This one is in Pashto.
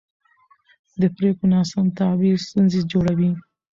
د پرېکړو ناسم تعبیر ستونزې جوړوي